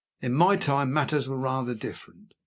In my time matters were rather different.